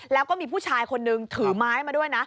แล้วก็มีผู้ชายคนนึงถือไม้มาด้วยนะ